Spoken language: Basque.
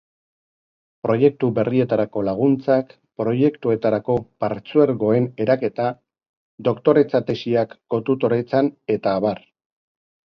proiektu berrietarako laguntzak, proiektuetarako partzuergoen eraketa, doktoretza-tesiak kotutoretzan eta abar